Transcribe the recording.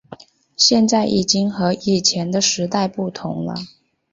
现在已经和以前的时代不同了